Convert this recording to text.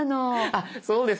あっそうですよね。